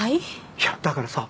いやだからさ